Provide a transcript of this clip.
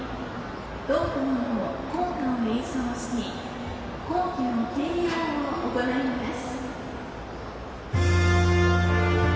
同校の校歌を演奏して校旗の掲揚を行います。